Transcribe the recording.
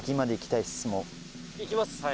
いきます。